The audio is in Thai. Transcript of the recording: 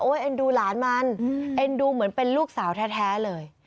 เอ็นดูหลานมันเอ็นดูเหมือนเป็นลูกสาวแท้เลย